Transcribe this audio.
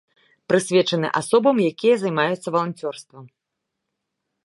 Прысвечаны асобам, якія займаюцца валанцёрствам.